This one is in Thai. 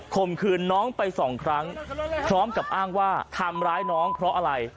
มขืนน้องไปสองครั้งพร้อมกับอ้างว่าทำร้ายน้องเพราะอะไร